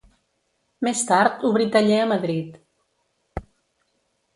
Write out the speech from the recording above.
Més tard obrí taller a Madrid.